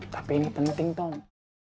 tapi ini penting tom